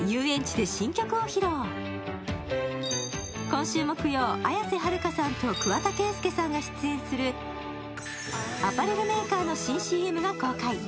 今週木曜、綾瀬はるかさんと桑田佳祐さんが出演するアパレルメーカーの新ＣＭが公開。